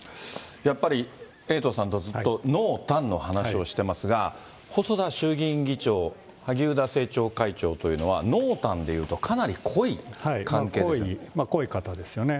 やっぱりエイトさんとずっと濃淡の話をしてますが、細田衆議院議長、萩生田政調会長というのは、濃淡で言うとかなり濃い関係でしたね。